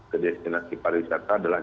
ke destinasi para wisata adalah